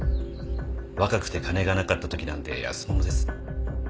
若くて金がなかったときなんで安物です。